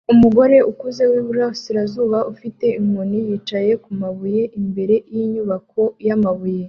Umugore ukuze wiburasirazuba ufite inkoni yicaye kumabuye imbere yinyubako yamabuye